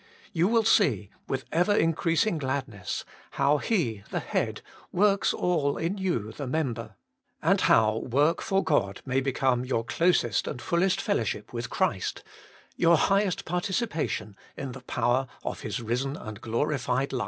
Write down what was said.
You will see with ever increas ing gladness how He the Head works all in you the member, and how work for God may become your closest and fullest fellow ship with Christ, your highest participation in the power of His risen and glorified life, 1.